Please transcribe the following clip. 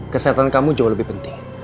kesehatan kamu jauh lebih penting